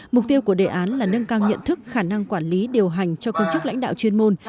mục tiêu của đề án là nâng cao nhận thức khả năng quản lý điều hành cho công chức lãnh đạo chuyên môn